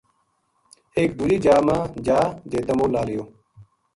ایک دوجی جا ما جا جے تَمو لا لیو